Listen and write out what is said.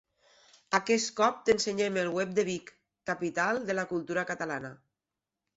Aquest cop t'ensenyem el web de Vic Capital de la Cultura Catalana.